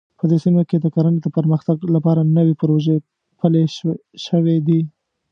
په دې سیمه کې د کرنې د پرمختګ لپاره نوې پروژې پلې شوې دي